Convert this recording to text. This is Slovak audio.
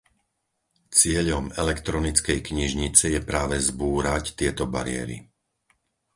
Cieľom elektronickej knižnice je práve zbúrať tieto bariéry.